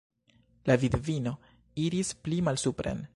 La vidvino iris pli malsupren.